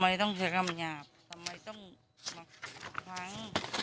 ทำไมต้องเชื่อคำหยาบทำไมต้องหวัง